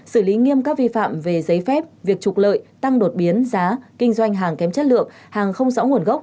xử lý nghiêm các vi phạm về giấy phép việc trục lợi tăng đột biến giá kinh doanh hàng kém chất lượng hàng không rõ nguồn gốc